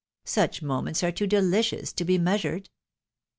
Such moments are too delicious to be measured